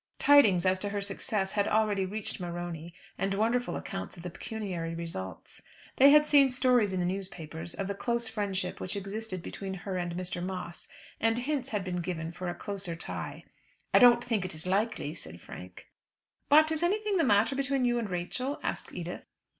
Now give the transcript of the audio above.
Tidings as to her success had already reached Morony, and wonderful accounts of the pecuniary results. They had seen stories in the newspapers of the close friendship which existed between her and Mr. Moss, and hints had been given for a closer tie. "I don't think it is likely," said Frank. "But is anything the matter between you and Rachel?" asked Edith.